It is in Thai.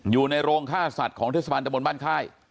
อยู่ในโรงฆ่าสัตว์ของเทศบาลตะบนบ้านค่าย